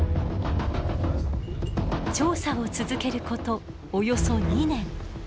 調査を続けることおよそ２年。